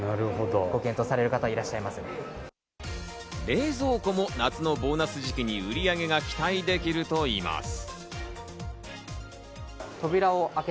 冷蔵庫も夏のボーナス時期に売り上げが期待できるといいます。